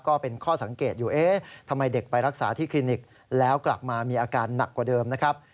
ก็เป็นข้อสังเกตอยู่เอ๊ะทำไมเด็กไปรักษาที่คลินิกแล้วกลับมามีอาการหนักกว่าเดิมนะครับ